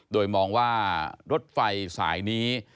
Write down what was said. โดยมองว่ารถไฟสายนี้